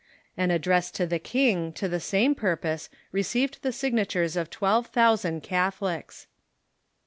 An address to the king to the same purpose received the signatures of twelve thousand Catholics.